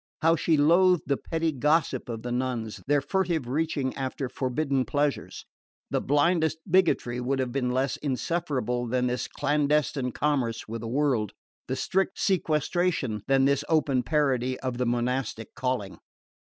How she loathed the petty gossip of the nuns, their furtive reaching after forbidden pleasures! The blindest bigotry would have been less insufferable than this clandestine commerce with the world, the strictest sequestration than this open parody of the monastic calling.